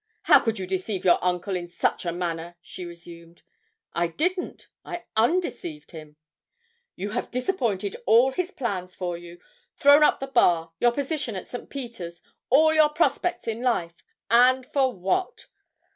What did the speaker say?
'How could you deceive your uncle in such a manner?' she resumed. 'I didn't. I _un_deceived him.' 'You have disappointed all his plans for you; thrown up the Bar, your position at St. Peter's, all your prospects in life and for what?'